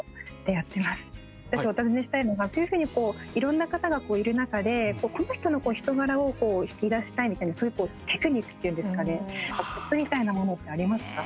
私、お尋ねしたいのがそういうふうにいろんな方がいる中でこの人の人柄を引き出したいみたいなテクニックっていうんですかねコツみたいなものってありますか。